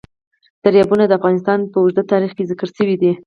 دریابونه د افغانستان په اوږده تاریخ کې ذکر شوی دی.